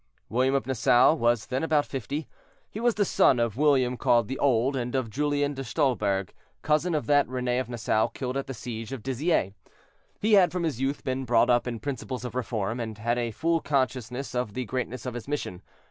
William of Nassau was then about fifty. He was the son of William called the Old, and of Julienne de Stolberg, cousin of that Rene of Nassau killed at the siege of Dizier. He had from his youth been brought up in principles of reform, and had a full consciousness of the greatness of his mission.